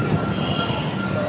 thì hai cuốn đấy